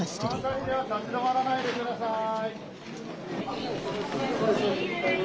この付近には立ち止まらないでください。